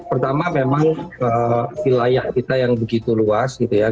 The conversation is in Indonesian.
pertama memang wilayah kita yang begitu luas gitu ya